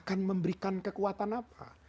dan memberikan kekuatan apa